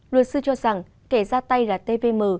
luật sư cho rằng kẻ ra tay gạt tvm